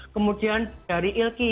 kemudian dari ilki